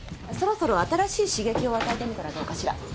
そろそろ新しい刺激を与えてみたらどうかしら？